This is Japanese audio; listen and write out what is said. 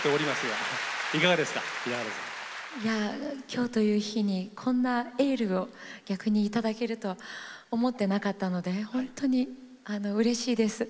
今日という日にこんなエールを逆に頂けるとは思ってなかったので本当にうれしいです。